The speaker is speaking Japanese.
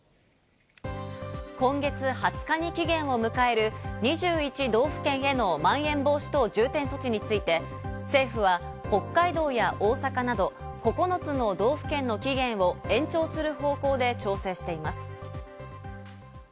今月２０日に期限を迎える２１道府県へのまん延防止等重点措置について政府は北海道や大阪など、９つの道府県の期限を延長する方向で調整しています。